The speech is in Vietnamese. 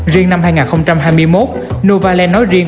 riêng năm hai nghìn hai mươi một nova land nói riêng